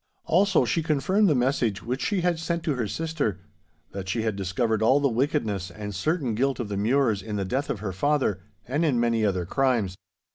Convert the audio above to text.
Also she confirmed the message which she had sent to her sister, that she had discovered all the wickedness and certain guilt of the Mures in the death of her father, and in many other crimes.